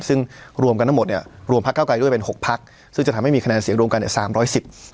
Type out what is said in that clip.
ซึ่งรวมกันทั้งหมดเนี่ยรวมพักเก้าไกลด้วยเป็นหกพักซึ่งจะทำให้มีคะแนนเสียงรวมกันเนี่ยสามร้อยสิบ